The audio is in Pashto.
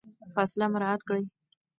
فاصله مراعات کړئ.